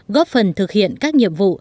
góp phần thực hiện các nhiệm vụ